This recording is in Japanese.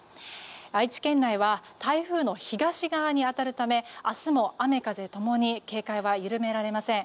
愛知県内は台風の東側に当たるため明日も雨風共に警戒は緩められません。